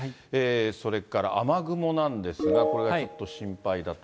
それから雨雲なんですが、これがちょっと心配だと。